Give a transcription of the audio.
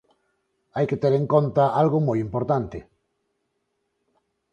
Hai que ter en conta algo moi importante.